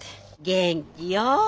元気よ。